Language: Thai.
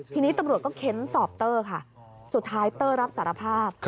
ทีนี้ตำรวจก็เค้นสอบเตอร์ค่ะสุดท้ายเตอร์รับสารภาพ